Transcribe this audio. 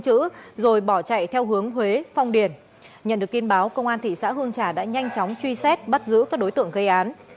hồ hiếu đã bắt giữ rồi bỏ chạy theo hướng huế phong điền nhận được tin báo công an thị xã hương trà đã nhanh chóng truy xét bắt giữ các đối tượng gây án